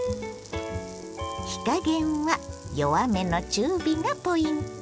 火加減は弱めの中火がポイント。